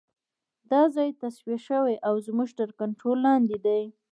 دا ځای تصفیه شوی او زموږ تر کنترول لاندې دی